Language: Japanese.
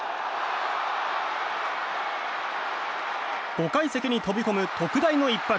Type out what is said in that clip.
５階席に飛び込む特大の一発。